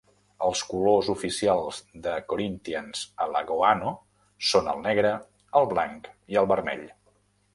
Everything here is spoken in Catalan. Els colors oficials de Corinthians Alagoano són el negre, el blanc i el vermell.